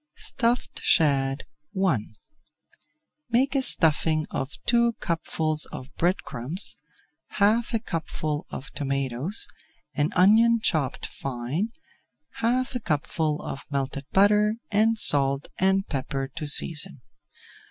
STUFFED SHAD I Make a stuffing of two cupfuls of bread crumbs, half a cupful of tomatoes, an onion chopped fine, half a cupful of melted butter, and salt and pepper to season.